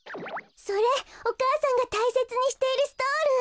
それお母さんがたいせつにしているストール！